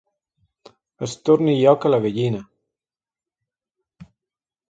Es torni lloca la gallina.